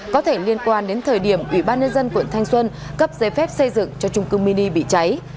có thể liên quan đến thời điểm ủy ban nhân dân quận thanh xuân cấp giấy phép xây dựng cho trung cư mini bị cháy